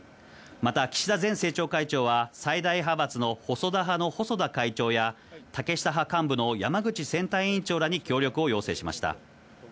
また岸田前政調会長は、最大派閥の細田派の細田会長や、竹下派幹部の山口選対委員長らに協力を要請しました。